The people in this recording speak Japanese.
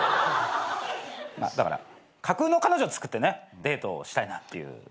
だから架空の彼女つくってねデートをしたいなっていう。